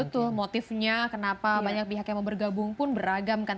betul motifnya kenapa banyak pihak yang mau bergabung pun beragam kan